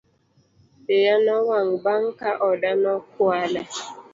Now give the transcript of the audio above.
Iya nowang' bang' ka oda nokwale